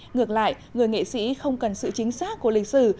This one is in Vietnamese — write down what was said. ngược lại người nghệ sĩ không cần sự chính xác của lịch sử